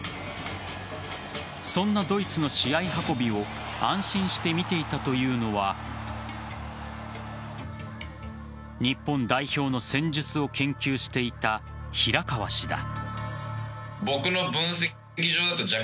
そんなドイツの試合運びを安心して見ていたというのは日本代表の戦術を研究していた平川氏だ。